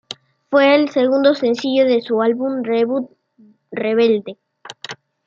Fue el segundo sencillo de su álbum debut Rebelde.